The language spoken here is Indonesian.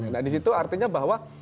nah disitu artinya bahwa